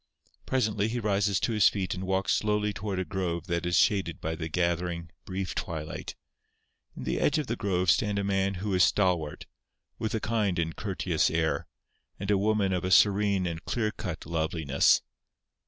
Presently he rises to his feet and walks slowly toward a grove that is shaded by the gathering, brief twilight. In the edge of the grove stand a man who is stalwart, with a kind and courteous air, and a woman of a serene and clear cut loveliness.